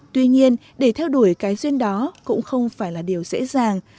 tuy nhiên để theo đuổi cái duyên đó cũng không phải là điều dễ dàng